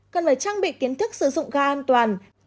cần phải trang bị kiến thức sử dụng ga an toàn